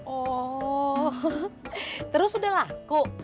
oh terus udah laku